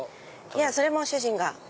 それも主人が。